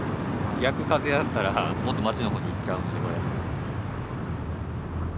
逆風やったらもっと街の方に行っちゃうのでこれ。